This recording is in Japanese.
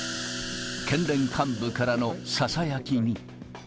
県連幹部からのささやきに。